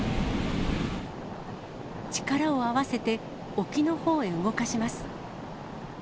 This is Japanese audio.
力を合わせて沖のほうへ動かします。